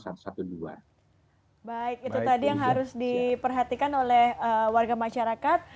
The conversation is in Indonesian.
baik itu tadi yang harus diperhatikan oleh warga masyarakat